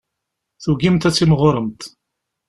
Tugimt ad timɣuremt.